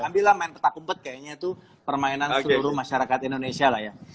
ambillah main petak umpet kayaknya itu permainan seluruh masyarakat indonesia lah ya